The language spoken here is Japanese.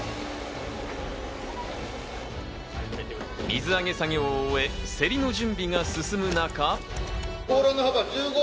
水揚げ作業を終え、競りの準備が進む中。